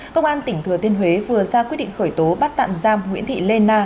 công an tỉnh thừa thiên huế vừa ra quyết định khởi tố bắt tạm giam nguyễn thị lê na